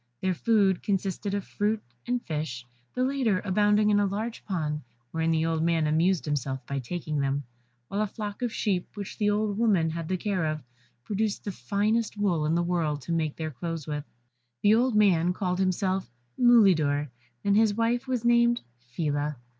Their food consisted of fruit and fish, the latter abounding in a large pond, wherein the old man amused himself by taking them; while a flock of sheep which the old woman had the care of, produced the finest wool in the world to make their clothes with. The old man called himself Mulidor, and his wife was named Phila.